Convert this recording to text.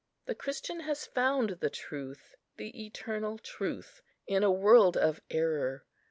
The Christian has found the Truth, the eternal Truth, in a world of error.